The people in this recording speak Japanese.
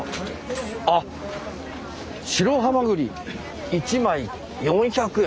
あっ白はまぐり１枚４００円。